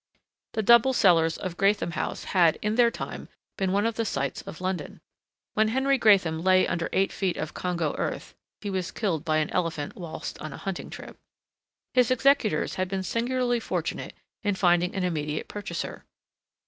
The double cellars of Gratham House had, in their time, been one of the sights of London. When Henry Gratham lay under eight feet of Congo earth (he was killed by an elephant whilst on a hunting trip) his executors had been singularly fortunate in finding an immediate purchaser.